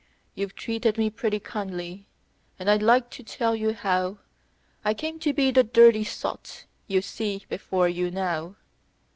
"You've treated me pretty kindly and I'd like to tell you how I came to be the dirty sot you see before you now.